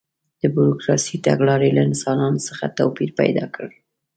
د بروکراسي تګلارې له انسانانو څخه توپیر پیدا کړ.